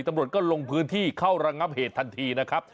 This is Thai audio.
ตำรวจก็ลงพื้นที่เข้าระงับเหตุทันทีนะครับ